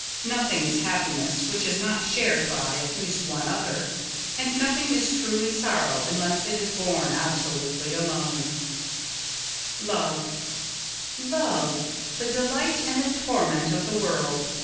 Nothing is happiness which is not shared by at least one other, and nothing is truly sorrow unless it is borne absolutely alone. [Sidenote: Love] Love! The delight and the torment of the world!